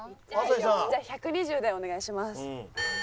じゃあ１２０でお願いします。